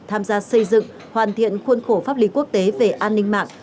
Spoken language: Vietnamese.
tham gia xây dựng hoàn thiện khuôn khổ pháp lý quốc tế về an ninh mạng